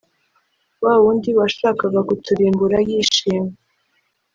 wa wundi washakaga kuturimbura yishima